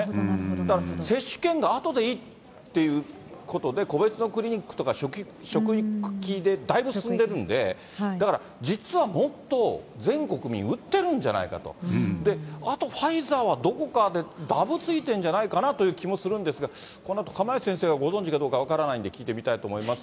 だから、接種券があとでいいっていうことで個別のクリニックとか職域でだいぶ進んでるんで、だから、実はもっと全国民打ってるんじゃないかと、で、あと、ファイザーはどこかでだぶついてるんじゃないかなという気もするんですが、このあと、釜萢先生がご存じかどうか分からないんで聞いてみたいと思います。